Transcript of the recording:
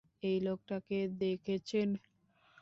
এই লোকটাকে দেখেছেন?